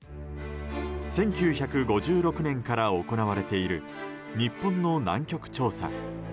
１９５６年から行われている日本の南極調査。